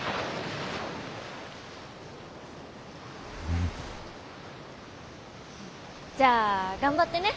うん。じゃあ頑張ってね！